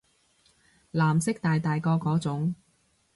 藍色大大個嗰種